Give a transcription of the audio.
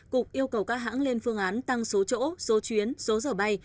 cục yêu cầu các hãng lên phương án tăng số chỗ số chuyến số giờ bay